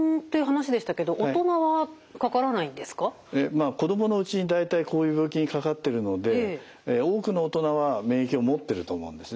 まあ子どものうちに大体こういう病気にかかってるので多くの大人は免疫を持ってると思うんですね。